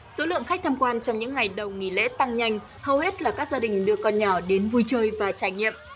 số lượng khách tham quan trong những ngày đầu nghỉ lễ tăng nhanh hầu hết là các gia đình đưa con nhỏ đến vui chơi và trải nghiệm